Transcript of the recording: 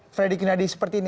fredy kudinadi seperti ini